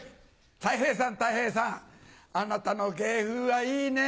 たい平さんたい平さんあなたの芸風はいいね。